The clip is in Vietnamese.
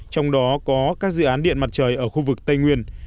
trong đó có các dự án điện mặt trời ở khu vực tây nguyên